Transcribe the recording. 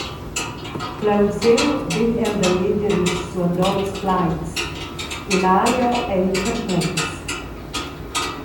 Plaunsiu vegn el da leger ils suandonts plaids: Emalio ei perplexs.